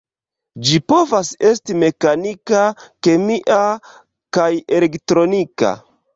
Ĝi povas esti mekanika, kemia kaj elektronika.